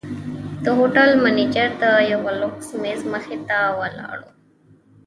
د هوټل منیجر د یوه لوکس میز مخې ته ولاړ و.